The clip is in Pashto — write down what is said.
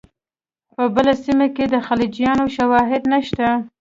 په بله سیمه کې د خلجیانو شواهد نشته.